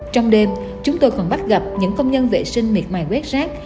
trong đêm chúng tôi còn bắt gặp những công nhân vệ sinh miệt mài quét rác